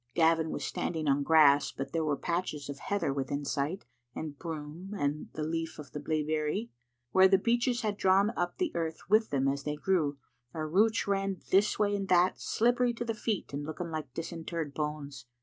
Gavin was standing on grass, but there were patches of heather within sight, and broom, and the leaf of the blaeberry. Where the beeches had drawn up the earth with them as they grew, their roots ran this way and that, slippery to the feet and looking like disinterred bones.